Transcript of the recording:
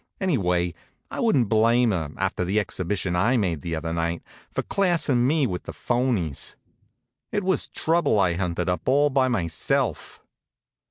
Anyway, I wouldn't blame her, after the exhibition I made the other night, for classin' me with the phonies. It was trouble I hunted up all by myself.